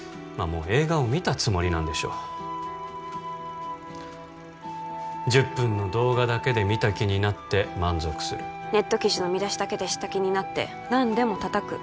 もう映画を見たつもりなんでしょう１０分の動画だけで見た気になって満足するネット記事の見出しだけで知った気になって何でも叩く